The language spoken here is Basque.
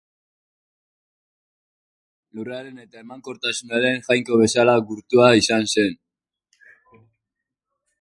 Jatorrian, Lurraren eta emankortasunaren jainko bezala gurtua izan zen.